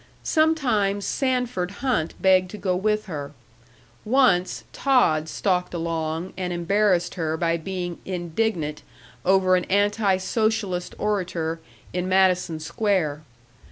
Sometimes Sanford Hunt begged to go with her. Once Todd stalked along and embarrassed her by being indignant over an anti socialist orator in Madison Square.